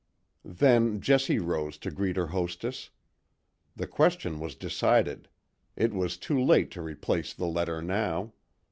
Then Jessie rose to greet her hostess. The question was decided; it was too late to replace the letter now.